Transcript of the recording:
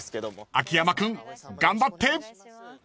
［秋山君頑張って］